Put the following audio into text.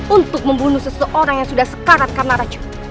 untuk membunuh seseorang yang sudah sekarat karena racun